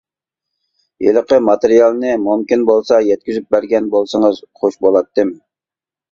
ھېلىقى ماتېرىيالنى مۇمكىن بولسا يەتكۈزۈپ بەرگەن بولسىڭىز خۇش بولاتتىم.